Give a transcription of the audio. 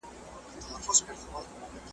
چي سي طوق د غلامۍ د چا په غاړه .